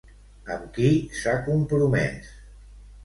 Amb qui s'ha compromès?